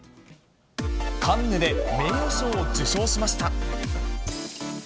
カンヌで名誉賞を受賞しました。